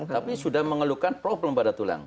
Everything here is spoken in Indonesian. tapi sudah mengeluhkan problem pada tulang